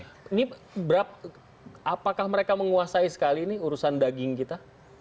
ini apakah mereka menguasai sekali ini urusan daging kita